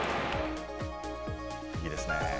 いいですね。